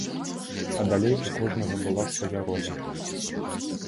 А далей у кожнага была свая роля.